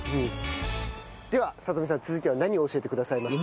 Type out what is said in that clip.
ではさとみさん続いては何を教えてくださいますか？